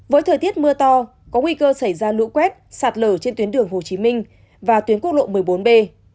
với thời tiết mưa to có nguy cơ xảy ra lũ quét sạt lở trên tuyến đường hồ chí minh và tuyến quốc lộ một mươi bốn b